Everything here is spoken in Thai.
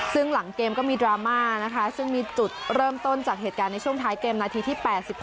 ซึ่งหลังเกมก็มีดราม่านะคะซึ่งมีจุดเริ่มต้นจากเหตุการณ์ในช่วงท้ายเกมนาทีที่๘๖